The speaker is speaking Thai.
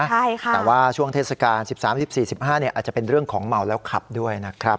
แต่ว่าช่วงเทศกาล๑๓๑๔๑๕อาจจะเป็นเรื่องของเมาแล้วขับด้วยนะครับ